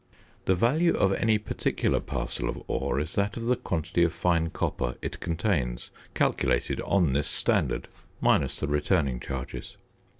The value of any particular parcel of ore is that of the quantity of fine copper it contains, calculated on this standard, minus the returning charges.